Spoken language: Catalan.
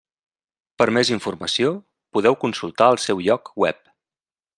Per a més informació podeu consultar el seu lloc web.